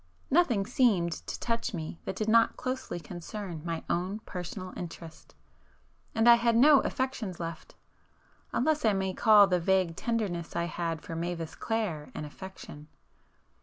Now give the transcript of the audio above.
Nothing seemed to touch me that did not closely concern my own personal interest,—and I had no affections left, unless I may call the vague tenderness I had for Mavis Clare an affection.